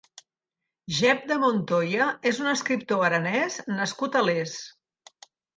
Jèp de Montoya és un escriptor aranès nascut a Les.